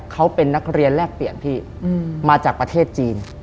เขาเป็นนักเรียนแลกเปลี่ยนพี่มาจากประเทศจีน